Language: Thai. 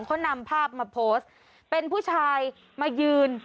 เขานำภาพมาโพสต์เป็นผู้ชายมายืน